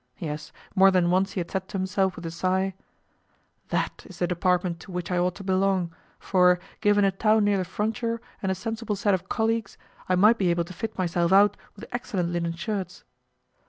Yes, more than once he had said to himself with a sigh: "THAT is the department to which I ought to belong, for, given a town near the frontier, and a sensible set of colleagues, I might be able to fit myself out with excellent linen shirts."